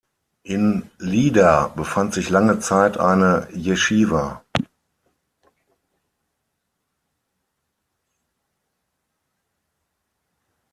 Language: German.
In Lida befand sich lange Zeit eine Jeschiwa.